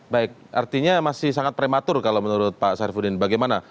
baik artinya masih sangat prematur kalau menurut pak saifuddin bagaimana